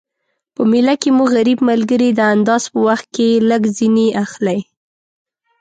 په میله کی مو غریب ملګري د انداز په وخت کي لږ ځیني اخلٸ